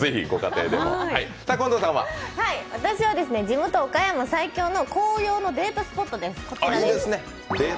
私は地元・岡山最強のデートスポットです。